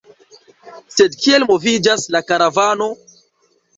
Sed kiel moviĝas la karavano?